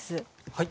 はい。